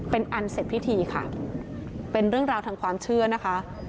เป็นอันเสร็จพิธีค่ะเป็นเรื่องราวทางความเชื่อนะคะ